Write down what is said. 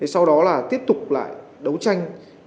sau đó tiếp tục đấu tranh